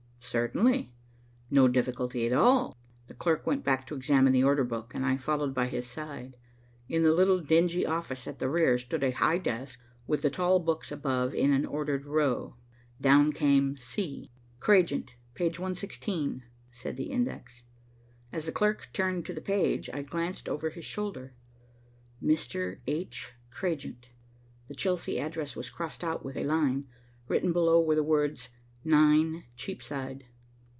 Certainly. No difficulty at all. The clerk went back to examine the order book, and I followed by his side. In the little dingy office at the rear stood a high desk, with the tall books above in an ordered row. Down came C. "Cragent, Page 116," said the index. As the clerk turned to the page, I glanced over his shoulder. "Mr. H. Cragent." The Chelsea address was crossed out with a line; written below were the words, "9 Cheapside."